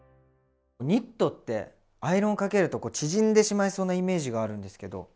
ニットってアイロンをかけるとこう縮んでしまいそうなイメージがあるんですけど。